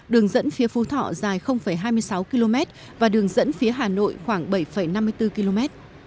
đường dẫn phía phú thọ dài hai mươi sáu km và đường dẫn phía hà nội khoảng bảy năm mươi bốn km